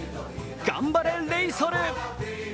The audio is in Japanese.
頑張れレイソル！